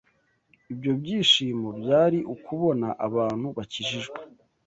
Ibyo byishimo byari ukubona abantu bakijijwe